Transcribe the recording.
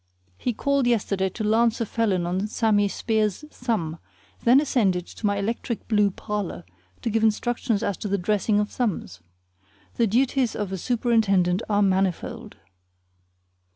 He called yesterday to lance a felon on Sammy Speir's thumb, then ascended to my electric blue parlor to give instructions as to the dressing of thumbs. The duties of a superintendent are manifold.